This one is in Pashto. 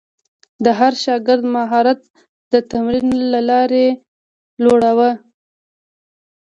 د هر شاګرد مهارت د تمرین له لارې لوړاوه.